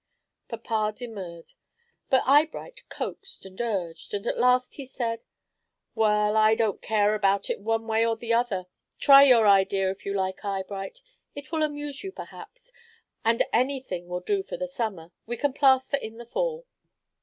Papa demurred, but Eyebright coaxed and urged, and at last he said, "Well, I don't care about it one way or the other. Try your idea if you like, Eyebright. It will amuse you perhaps, and any thing will do for the summer. We can plaster in the fall."